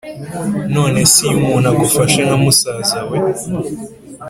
nonese iyo umuntu agufashe nkamusazawe